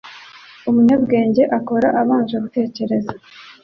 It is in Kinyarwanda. Umunyabwenge akora abanje gutekereza